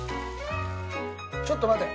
ちょっと待て。